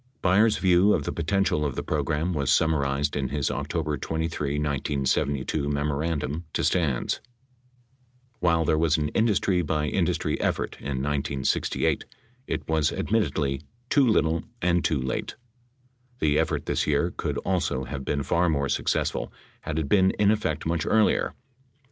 Byers' view of the potential of the program was summarized in his October 23, 1972, memorandum to Stans : While there was an industry by industrv effort in 1968, it was admittedly, "too little and too late." The effort this year could also have been far more successful had it been in effect much earlier.